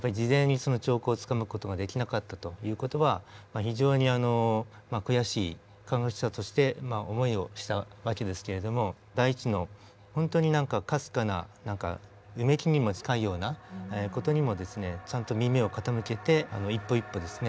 その兆候をつかむ事ができなかったという事は非常に悔しい科学者として思いをした訳ですけれども大地の本当に何かかすかなうめきにも近いような事にもちゃんと耳を傾けて一歩一歩ですね